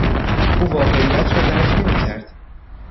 او واقعیت را درک نمیکرد.